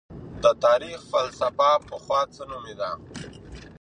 د تاريخ فلسفه پخوا څه نومېده؟